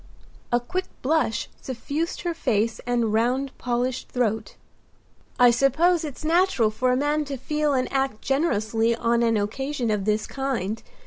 A quick blush suffused her face and round polished throat. "I suppose it's natural for a man to feel and act generously on an occasion of this kind.